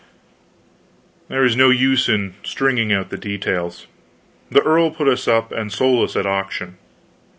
There is no use in stringing out the details. The earl put us up and sold us at auction.